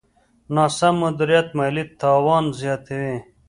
ناسم مدیریت مالي تاوان زیاتوي.